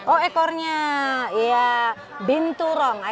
oh ekornya ya binturong